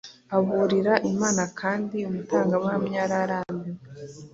aburira Imana, kandi umutangabuhamya yararambiwe